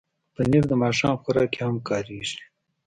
پنېر د ماښام خوراک کې هم کارېږي.